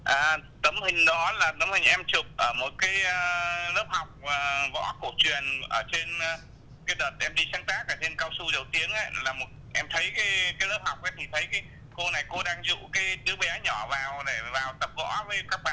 à tấm hình đó là tấm hình em chụp